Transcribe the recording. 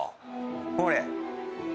ほれ。